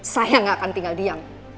saya gak akan tinggal diam